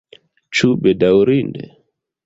Ĉu bedaŭrinde?